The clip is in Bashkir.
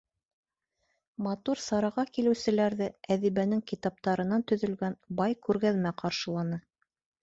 Матур сараға килеүселәрҙе әҙибәнең китаптарынан төҙөлгән бай күргәҙмә ҡаршыланы.